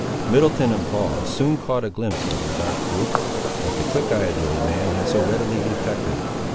Middleton and Paul soon caught a glimpse of the dark group, that the quick eye of the old man had so readily detected.